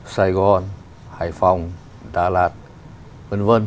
sài gòn hải phòng đà lạt v v